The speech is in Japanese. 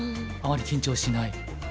あまり緊張しない？